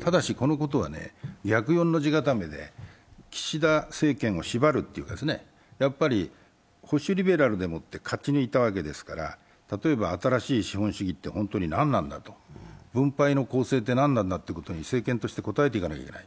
ただし、このことは逆４の字固めで岸田政権を縛るというか、保守リベラルでもって勝ちに行ったわけですから、例えば新しい資本主義って何なんだ、分配の構成って何なんだと政権として答えていかなきゃいけない。